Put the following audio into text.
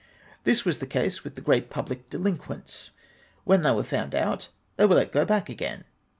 This was the case Avith the great public delinquents : when they were found out, they were let go back again.